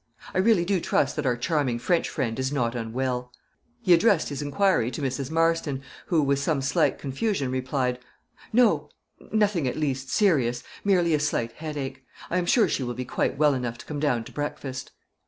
I really do trust that our charming French friend is not unwell." He addressed his inquiry to Mrs. Marston, who, with some slight confusion, replied: "No; nothing, at least, serious; merely a slight headache. I am sure she will be quite well enough to come down to breakfast."